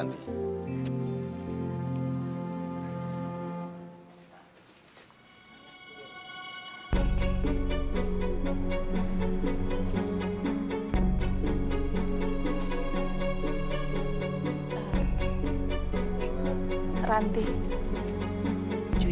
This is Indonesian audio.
nanti aku bilang rasanya rodzisi ibu saya